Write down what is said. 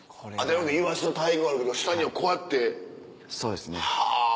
イワシの大群あるけど下にはこうやってはぁ！